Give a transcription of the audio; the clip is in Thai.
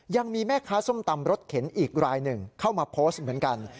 ยังมีแม่ค้าส้มตำรถเข็นอีกรายหนึ่งเข้ามาโพสต์เหมือนกัน